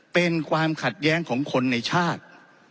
เป็นความขัดแย้งของคนในชาติ